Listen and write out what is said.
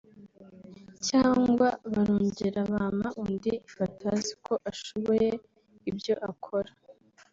(cyangwa) barongera bampa undi bataziko ashoboye ibyo akora